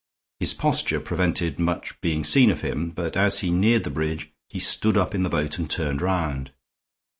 His posture prevented much being seen of him, but as he neared the bridge he stood up in the boat and turned round.